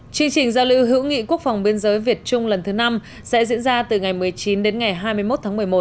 chương trình giao lưu hữu nghị quốc phòng biên giới việt trung lần thứ năm sẽ diễn ra từ ngày một mươi chín đến ngày hai mươi một tháng một mươi một